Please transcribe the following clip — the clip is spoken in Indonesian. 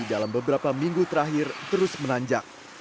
dalam beberapa minggu terakhir terus menanjak